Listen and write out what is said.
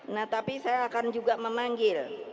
nah tapi saya akan juga memanggil